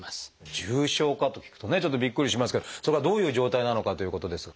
重症化と聞くとねちょっとびっくりしますけどそれがどういう状態なのかということですが。